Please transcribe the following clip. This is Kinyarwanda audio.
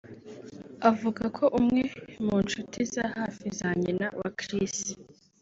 avuga ko umwe mu nshuti za hafi za nyina wa Chris